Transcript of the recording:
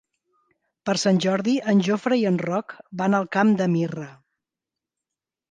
Per Sant Jordi en Jofre i en Roc van al Camp de Mirra.